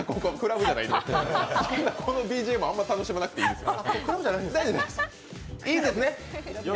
このＢＧＭあんまり楽しまなくていいです。